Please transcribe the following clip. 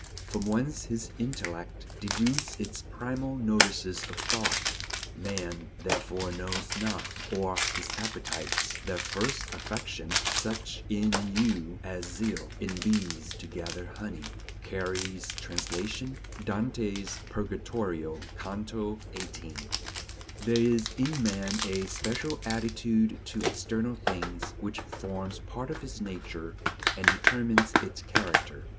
"... From whence his intellect Deduced its primal notices of thought, Man therefore knows not; or his appetites Their first affection; such In you as zeal In bees to gather honey." (Carey's translation, Dante's Purgatorio, Canto XVIII.) There is in man a special attitude to external things, which forms part of his nature, and determines its character.